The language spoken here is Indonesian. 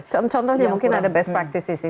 contohnya mungkin ada best practices